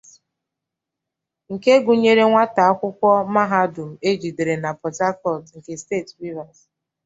nke gụnyere nwata akwụkwọ mahadum e jidere na Port Harcourt nke steeti Rivers